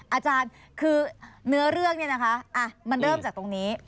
อาจารย์คือเนื้อเรื่องเนี่ยนะคะมันเริ่มจากตรงนี้